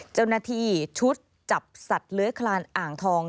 เจ้าหน้าที่ชุดจับสัตว์เลื้อยคลานอ่างทอง